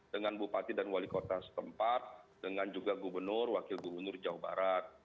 dengan bupati dan wali kota setempat dengan juga gubernur wakil gubernur jawa barat